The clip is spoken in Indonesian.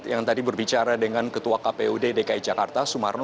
yang tadi berbicara dengan ketua kpud dki jakarta sumarno